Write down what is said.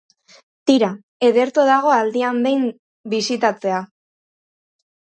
Tira, ederto dago aldian behin bisitatzea.